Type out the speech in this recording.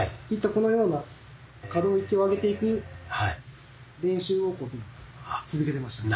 このような可動域を上げていく練習をこういうふうに続けてましたね。